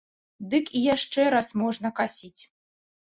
Дык і яшчэ раз можна касіць.